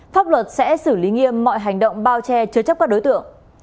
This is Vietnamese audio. pháp luật sẽ xử lý nghiêm mọi hành động bao che chứa chấp các đối tượng